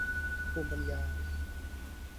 ภูมิปัญญา